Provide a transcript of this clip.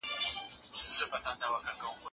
هغوی ته په عزت سره خپل حق ورکړئ.